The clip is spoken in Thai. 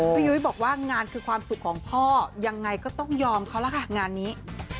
ยุ้ยบอกว่างานคือความสุขของพ่อยังไงก็ต้องยอมเขาแล้วค่ะงานนี้